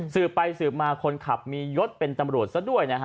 สืบไปสืบมาคนขับมียศเป็นตำรวจซะด้วยนะฮะ